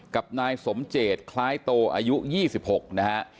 กับนายสมเจตคล้ายโตอายุ๒๖นะฮะ